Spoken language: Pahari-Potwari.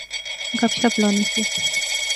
گپ شپ لانے سے